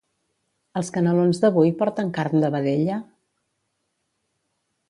Els canelons d'avui porten carn de vedella?